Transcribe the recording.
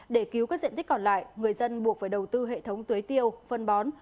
để cứu các diện tích còn lại người dân buộc phải đầu tư hệ thống tưới tiêu phân bó